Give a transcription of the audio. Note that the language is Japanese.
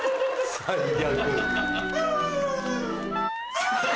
最悪。